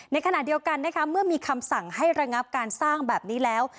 ในขณะเดียวกันนะคะเมื่อมีคำสั่งให้ระงับการสร้างแบบนี้แล้ว